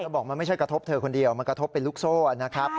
บอกมันไม่ใช่กระทบเธอคนเดียวมันกระทบเป็นลูกโซ่นะครับ